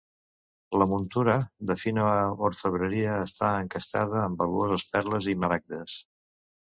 La muntura, de fina orfebreria, està encastada amb valuoses perles i maragdes.